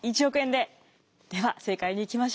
では正解にいきましょう！